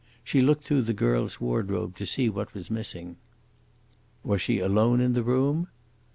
She looked through the girl's wardrobe to see what was missing." "Was she alone in the room?"